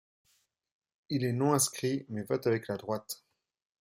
Il est non inscrit, mais vote avec la droite.